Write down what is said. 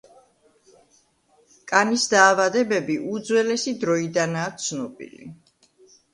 კანის დაავადებები უძველესი დროიდანაა ცნობილი.